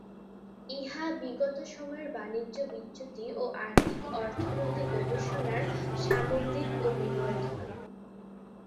ইহা বিগত সময়ের বাণিজ্য বিচ্যুতি ও আর্থিক অর্থনীতি গবেষণার সামগ্রিক ও বিবর্ধন।